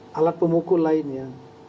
dan alat pemukul lainnya